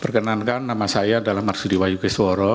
perkenankan nama saya adalah marsudi wayu kisworo